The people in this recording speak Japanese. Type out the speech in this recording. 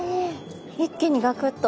一気にガクッと。